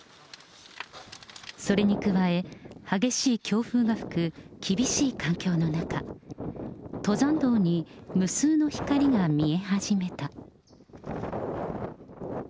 それに加え、激しい強風が吹く厳しい環境の中、登山道に無数の光が見え始めた。